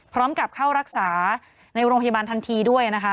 พร้อมกับเข้ารักษาในโรงพยาบาลทันทีด้วยนะคะ